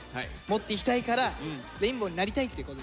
持っていきたいからレインボーになりたいってことですね。